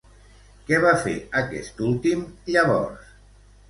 Què va fer aquest últim, llavors?